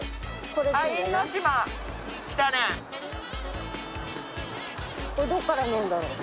これどっから乗るんだろう。